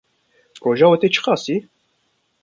Roja wê tê çi qasî?